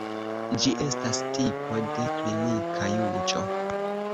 Ĝi estas tipo de klinika juĝo.